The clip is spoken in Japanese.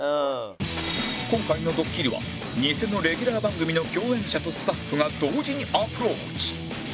今回のドッキリは偽のレギュラー番組の共演者とスタッフが同時にアプローチ